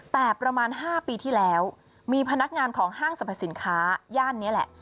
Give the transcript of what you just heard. แต่ประมาณ๕ปีที่แล้วมีพนักงานของห้างสรรพสินค้าย่านนี้แหละ